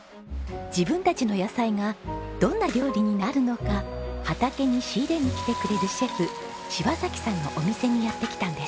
自分たちの野菜がどんな料理になるのか畑に仕入れに来てくれるシェフ柴さんのお店にやって来たんです。